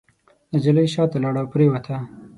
نجلۍ شاته لاړه او پرېوته.